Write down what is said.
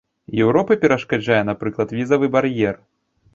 Еўропы перашкаджае, напрыклад, візавы бар'ер.